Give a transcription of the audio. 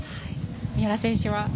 三原選手は？